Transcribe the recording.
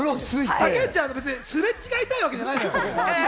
竹内さん、別にすれ違いたいわけじゃないのよ。